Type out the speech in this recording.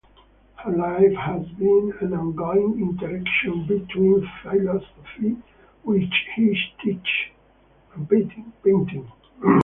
Her life has been an ongoing interaction between philosophy, which she teaches, and painting.